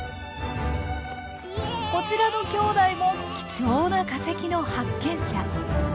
こちらの兄弟も貴重な化石の発見者。